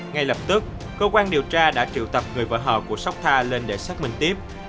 ngay lập tức cơ quan điều tra đã triệu tập người vợ hờ của sóc tha lên để xác minh tiếp